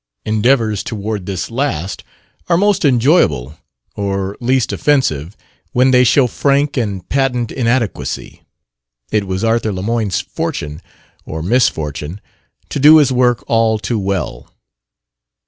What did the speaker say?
Endeavors toward this last are most enjoyable or least offensive when they show frank and patent inadequacy. It was Arthur Lemoyne's fortune or misfortune to do his work all too well.